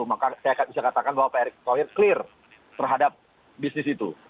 maka saya bisa katakan bahwa pak erick thohir clear terhadap bisnis itu